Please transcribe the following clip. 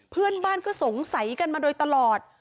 เพื่อนบ้านก็สงสัยกันมาโดยตลอด